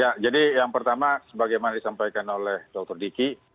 ya jadi yang pertama sebagaimana disampaikan oleh dr diki